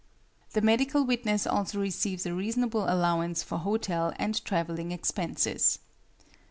The medical witness also receives a reasonable allowance for hotel and travelling expenses.